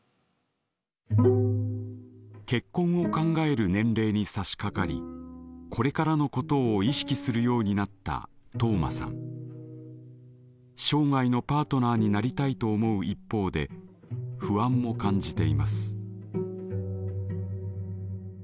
結婚を考える年齢にさしかかりこれからのことを意識するようになったトウマさん。になりたいと思う一方で不安も感じています。